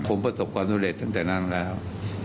ผมประสบความสำเร็จตั้งแต่นั้นแล้ว